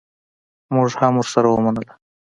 مونږ هم ورسره ومنله.